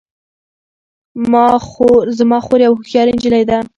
زما خور یوه هوښیاره نجلۍ ده